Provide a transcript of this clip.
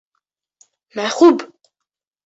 Мәхүб!